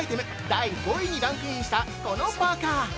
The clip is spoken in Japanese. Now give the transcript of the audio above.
第５位にランクインしたこのパーカー。